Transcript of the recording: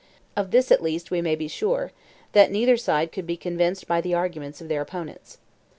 64 Of this at least we may be sure, that neither side could be convinced by the arguments of their opponents.